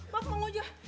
mas mang uja